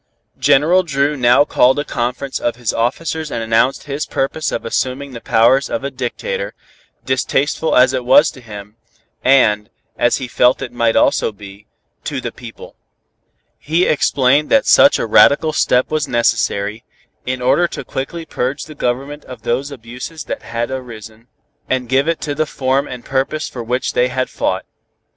General Dru now called a conference of his officers and announced his purpose of assuming the powers of a dictator, distasteful as it was to him, and, as he felt it might also be, to the people. He explained that such a radical step was necessary, in order to quickly purge the Government of those abuses that had arisen, and give to it the form and purpose for which they had fought.